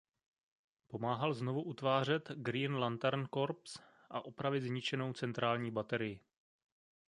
Pomáhal znovu utvářet Green Lantern Corps a opravit zničenou centrální baterii.